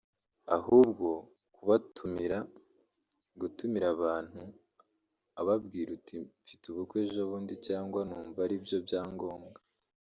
ahubwo kubatumira gutumira abantu ubabwira uti ‘mfite ubukwe ejo bundi cyangwa numva aribyo byangombwa